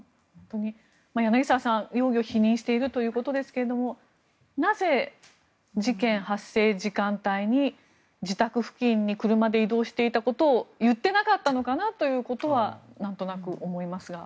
柳澤さん、容疑を否認しているということですがなぜ、事件発生時間帯に自宅付近に車で移動していたことを言ってなかったのかということはなんとなく思いますが。